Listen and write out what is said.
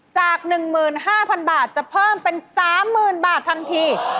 จาก๑๕๐๐๐บาทจะเพิ่มเป็น๓๐๐๐บาททันที